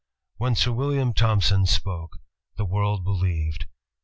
When Sir William Thompson spoke, the world believed.